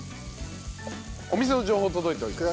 お店の情報届いております。